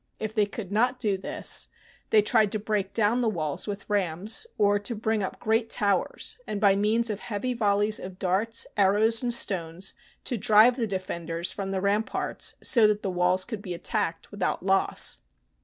If they could not do this, they CONSTANTINOPLE tried to break down the walls with rams, or to bring up great towers, and by means of heavy volleys of darts, arrows, and stones to drive the defenders from the ramparts so that the walls could be at tacked without loss.